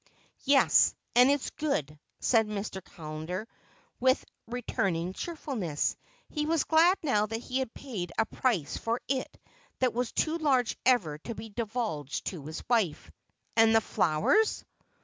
"Yes, and it's good," said Mr. Callender with returning cheerfulness. He was glad now that he had paid a price for it that was too large ever to be divulged to his wife. "And the flowers?"